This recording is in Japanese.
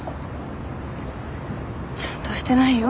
ちゃんとしてないよ。